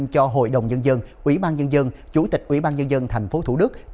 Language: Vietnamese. cho hội đồng nhân dân ủy ban nhân dân chủ tịch ủy ban nhân dân tp hcm